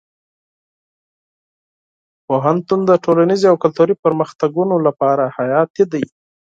پوهنتون د ټولنیزو او کلتوري پرمختګونو لپاره حیاتي دی.